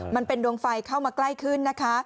มันเป็นดวงไฟเข้ามาใกล้ขึ้นนะคะ